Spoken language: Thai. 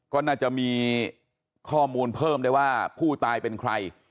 ก็น่าจะมีข้อมูลเพิ่มได้ว่าผู้ตายเป็นใคร